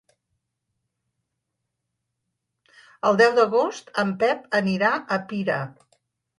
El deu d'agost en Pep anirà a Pira.